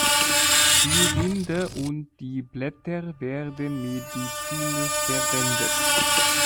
Die Rinde und die Blätter werden medizinisch verwendet.